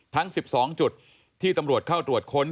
ทั้ง๑๒จุดที่ตำรวจเข้าตรวจค้น